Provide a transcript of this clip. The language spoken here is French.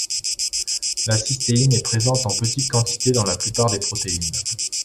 La cystéine est présente en petites quantités dans la plupart des protéines.